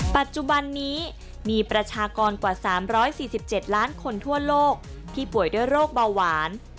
ปัจจุบันนี้มีประชากรกว่า๓๔๗ล้านคนทั่วโลกที่ป่วยด้วยโรคเบาหวาน